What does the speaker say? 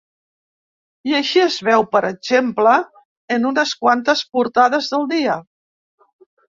I així es veu, per exemple, en unes quantes portades del dia.